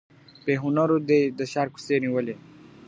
بې هنرو دي د ښار کوڅې نیولي .